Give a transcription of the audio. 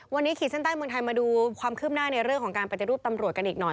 วันนี้ขีดเส้นใต้เมืองไทยมาดูความคืบหน้าในเรื่องของการปฏิรูปตำรวจกันอีกหน่อย